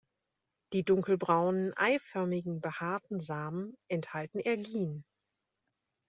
Die dunkelbraunen, eiförmigen, behaarten Samen enthalten Ergin.